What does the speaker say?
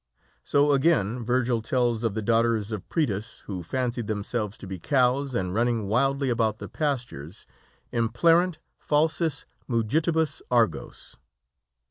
So, again, Virgil tells of the daughters of Prætus, who fancied themselves to be cows, and running wildly about the pastures, "implêrunt falsis mugitibus agros."